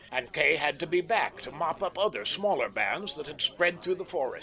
And Kay had to be back to mop up other, smaller bands that had spread through the forests.